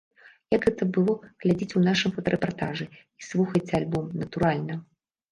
Як гэта было, глядзіце ў нашым фотарэпартажы, і слухайце альбом, натуральна!